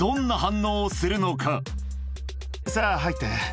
さあ、入って。